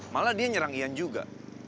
malah dia nyerang ian juga